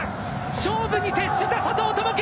勝負に徹した佐藤友祈。